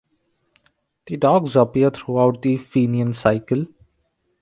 The dogs appear throughout the Fenian Cycle.